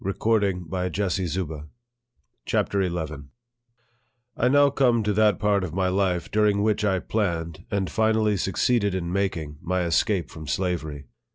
100 NARRATIVE OF THE CHAPTER XL I NOW come to that part of my life during which 1 planned, 3,nd finally succeeded in making, my escape from slavery.